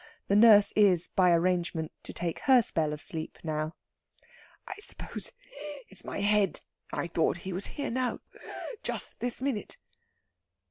The nurse is, by arrangement, to take her spell of sleep now. "I suppose it's my head. I thought he was here just now just this minute."